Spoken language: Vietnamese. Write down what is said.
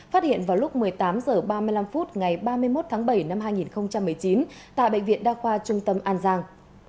phát hiện vào lúc một mươi tám h ba mươi năm phút ngày ba mươi một tháng bảy năm hai nghìn một mươi chín tại bệnh viện đa khoa trung tâm an giang